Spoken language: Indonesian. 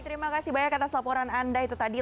terima kasih banyak banyak